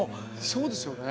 そうですよね？